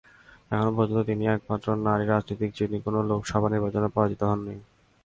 এখন পর্যন্ত তিনিই একমাত্র নারী রাজনীতিক, যিনি কোনো লোকসভা নির্বাচনে পরাজিত হননি।